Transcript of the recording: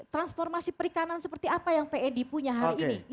transformasi perikanan seperti apa yang ped punya hari ini